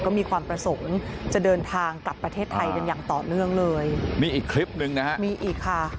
ก็มีความประสงค์จะเดินทางกลับประเทศไทยกันอย่างต่อเนื่องเลยนี่อีกคลิปหนึ่งนะฮะมีอีกค่ะ